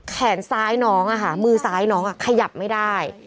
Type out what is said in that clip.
แขนซ้ายน้องมือซ้ายน้องขยับไม่ได้